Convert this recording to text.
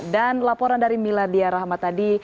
dan laporan dari mila diarahma tadi